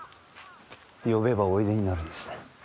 呼べばおいでになるんですね。